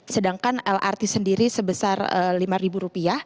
sedangkan lrt sendiri sebesar rp lima